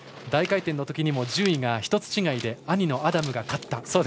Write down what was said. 大回転のときにも順位が１つ違いで兄のアダムが勝った。